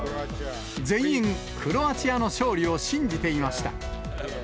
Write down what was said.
全員、クロアチアの勝利を信じていました。